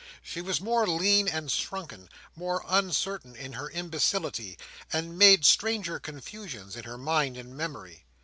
She was more lean and shrunken, more uncertain in her imbecility, and made stranger confusions in her mind and memory.